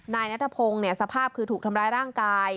นายนัทพงศ์สภาพคือถูกทำร้ายร่างกาย